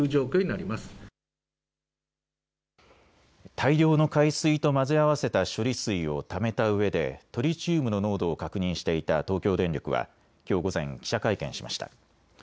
大量の海水と混ぜ合わせた処理水をためたうえでトリチウムの濃度を確認していた東京電力はきょう午前、記者会見しました。